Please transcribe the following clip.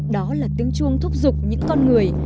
đó là tiếng chuông thúc giục những con người